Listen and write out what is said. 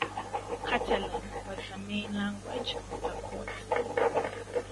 Catalan was the main language of the Court.